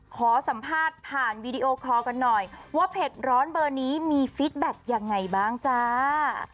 ขอสัมภาษณ์ผ่านวีดีโอคอลกันหน่อยว่าเผ็ดร้อนเบอร์นี้มีฟิตแบ็คยังไงบ้างจ้า